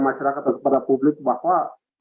masyarakat atau kepada publik bahwa